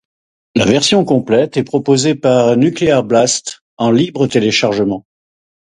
La version complète est proposée par Nuclear Blast en libre téléchargement.